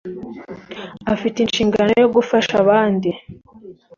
Afite inshingano yo gufasha abandi.